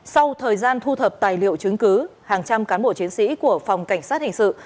sau thời gian thu thập tài liệu chứng cứ hàng trăm cán bộ chiến sĩ của phòng cảnh sát hình sự